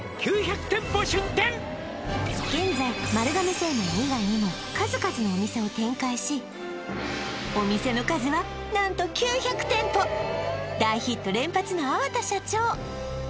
現在丸亀製麺以外にも数々のお店を展開しお店の数は何と９００店舗大ヒット連発の粟田社長